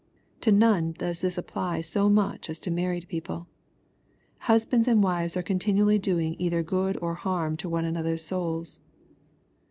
To none does this apply so much as to married people. Husbands and wives are continually doing either good or harm to one another's souls.